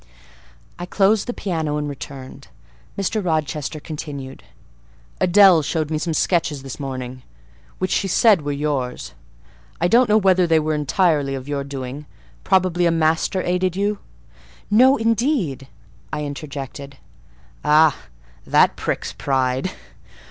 I closed the piano and returned. Mr. Rochester continued— "Adèle showed me some sketches this morning, which she said were yours. I don't know whether they were entirely of your doing; probably a master aided you?" "No, indeed!" I interjected. "Ah! that pricks pride.